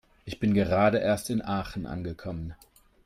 Ich bin gerade erst in Aachen angekommen